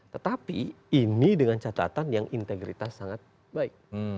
tetapi ini dengan catatan yang integritas sangat baik